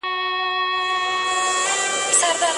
د هبې د صحيح کېدو لپاره کوم شرط ايښودل سوی دی؟